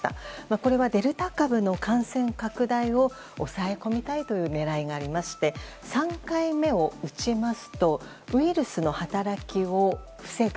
これはデルタ株の感染拡大を抑え込みたいという狙いがありまして３回目を打ちますとウイルスの働きを防ぐ